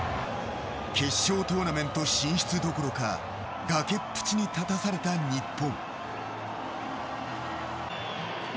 決勝トーナメント進出どころか崖っぷちに立たされた日本。